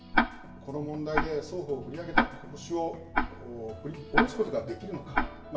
この問題で双方、振り上げた拳を振り下ろすことができるのか、引